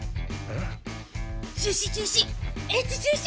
えっ？